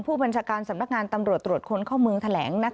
ผู้บัญชาการสำนักงานตำรวจตรวจคนเข้าเมืองแถลง